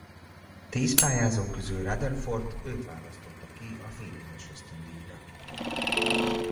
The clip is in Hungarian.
A tíz pályázó közül Rutherford őt választotta ki a féléves ösztöndíjra.